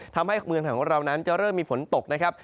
ทำให้เมืองไทยของเรานั้นจะเริ่มมีฝนตกนะครับ